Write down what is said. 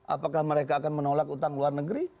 apakah mereka akan menolak utang luar negeri